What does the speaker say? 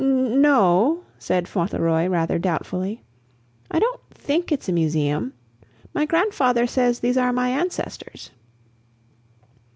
"N no !" said Fauntleroy, rather doubtfully. "I don't THINK it's a museum. My grandfather says these are my ancestors."